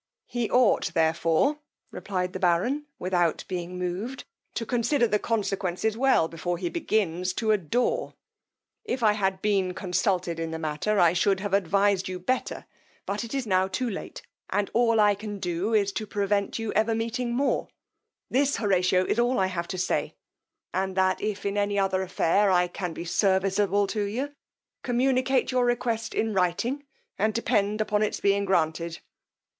He ought therefore, replied the baron, without being moved, to consider the consequences well before he begins to adore: if I had been consulted in the matter I should have advised you better; but it is now too late, and all I can do is to prevent your ever meeting more: this, Horatio, is all I have to say, and that if in any other affair I can be serviceable to you, communicate your request in writing, and depend on its being granted.